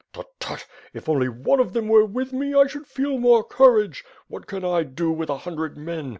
Tut! Tut! If only one of them were with me, I should feel more courage. What can I do with a hundred men.